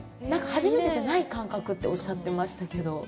初めてじゃない感覚っておっしゃってましたけど。